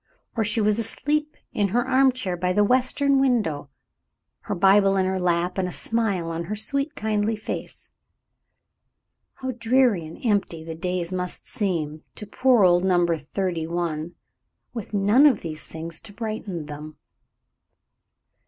Or she was asleep in her armchair by the western window, her Bible in her lap and a smile on her sweet, kindly face. How dreary and empty the days must seem to poor old Number Thirty one, with none of these things to brighten them.